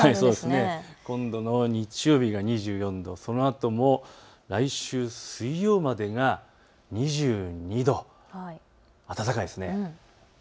今後の日曜日が２４度、そのあとも来週水曜日までが２２度、暖かいですね。